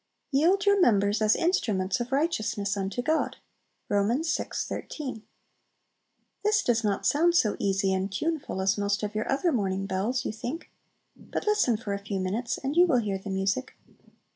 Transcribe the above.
"Yield .... your members as instruments of righteousness unto God." Rom. vi. 13. This does not sound so easy and tuneful as most of your other "morning bells," you think! But listen for a few minutes and you will hear the music.